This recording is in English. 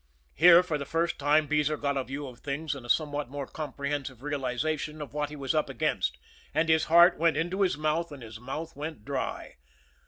Here, for the first time, Beezer got a view of things and a somewhat more comprehensive realization of what he was up against, and his heart went into his mouth and his mouth went dry.